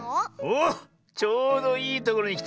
おっちょうどいいところにきた。